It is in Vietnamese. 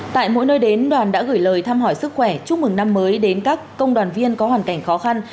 tại mỗi nơi đến đoàn đã gửi lời thăm hỏi sức khỏe chúc mừng năm mới đến các công đoàn viên có hoàn cảnh khó khăn